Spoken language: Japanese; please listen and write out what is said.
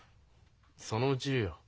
そのうち言うよ。